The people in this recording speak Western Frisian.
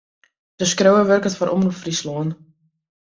De skriuwer wurket foar Omrop Fryslân.